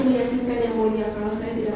meyakinkan yang mulia kalau saya tidak